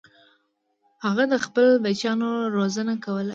هغه د خپلو بچیانو روزنه کوله.